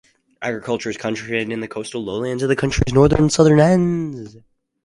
Agriculture is concentrated in the coastal lowlands of the county's northern and southern ends.